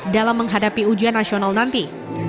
dalam menghadapi ujian nasional nanti